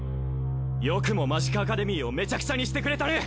よくもマジカアカデミーをめちゃくちゃにしてくれたね